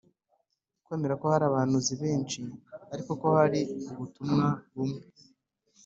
kwemera ko hari abahanuzi benshi ariko ko hariho ubutumwa bumwe